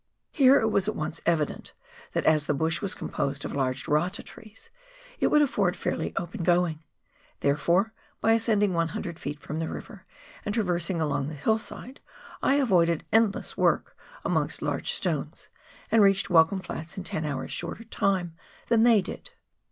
Here it was at once evident, that as the bush was composed of large rata trees, it would afford fairly open going ; therefore by ascending 100 ft. from the river, and traversing along the hillside, I avoided endless work amongst large stones, and reached "Welcome Flats in ten hours shorter time than they did.